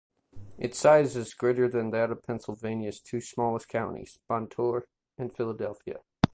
Its size is greater than that of Pennsylvania's two smallest counties, Montour and Philadelphia.